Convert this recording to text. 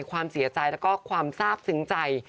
ความเสียใจแล้วก็ความทราบซึ้งใจ